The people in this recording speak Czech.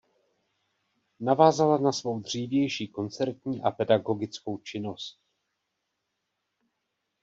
Navázala na svou dřívější koncertní a pedagogickou činnost.